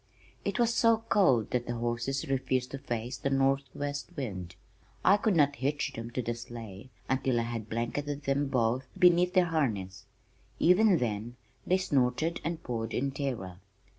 It was so cold that the horses refused to face the northwest wind. I could not hitch them to the sleigh until I had blanketed them both beneath their harness; even then they snorted and pawed in terror.